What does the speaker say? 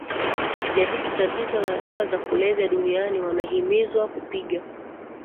kujadili tatizo la dawa za kulevya duniani wamehimizwa kupiga